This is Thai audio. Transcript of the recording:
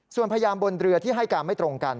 ส่วนพยานบนเรือที่ให้การไม่ตรงกัน